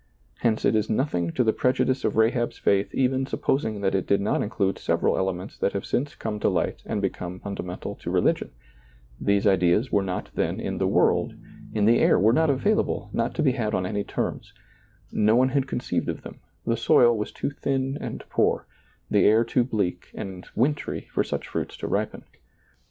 Hence it is nothing to the prejudice of Rahab's faith even supposing that it did not include several elements that have since come to light and become funda mental to religion ; these ideas were not then in the world, in the air, were not available, not to be had on any terms ; no one had conceived of them, the soil was too thin and poor, the air too bleak and wintry for such fruits to ripen.